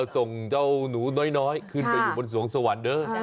ส่งเจ้าหนูน้อยขึ้นไปอยู่บนสวงสวรรค์เด้อ